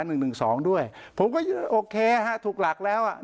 หนึ่งหนึ่งสองด้วยผมก็โอเคฮะถูกหลักแล้วอ่ะ